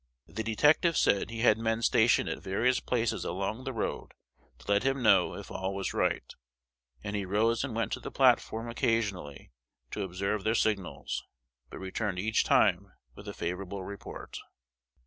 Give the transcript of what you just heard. The detective said he had men stationed at various places along the road to let him know "if all was right;" and he rose and went to the platform occasionally to observe their signals, but returned each time with a favorable report.